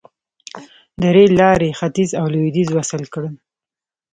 د ریل لارې ختیځ او لویدیځ وصل کړل.